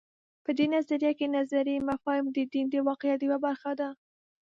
په دې نظریه کې نظري مفاهیم د دین د واقعیت یوه برخه ده.